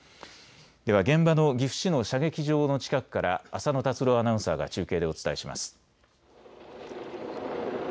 では現場の岐阜市の射撃場の近くから浅野達朗アナウンサーが中継でお伝えします。